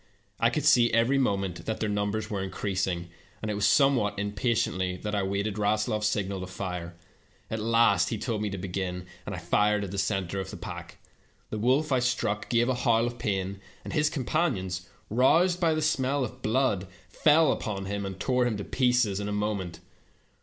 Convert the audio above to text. I could see every moment that their numbers were increasing, and it was somewhat impatiently that I waited RaslofPs signal to fire. At last he told me to begin, and I fired at the center of the pack. The wolf I struck gave a howl of pain, and his companions, roused by the smell of blood, fell upon and tore him to pieces in a moment.